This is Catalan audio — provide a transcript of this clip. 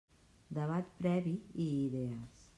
Debat previ i idees.